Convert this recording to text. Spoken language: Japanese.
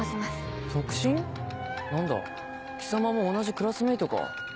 何だ貴様も同じクラスメートか。